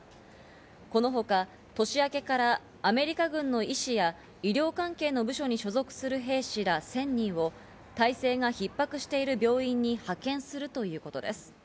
このほか年明けからアメリカ軍の医師や医療関係の部署に所属する兵士ら１０００人を態勢が逼迫している病院に派遣するということです。